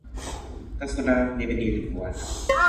taso la, nimi ni li pu ala.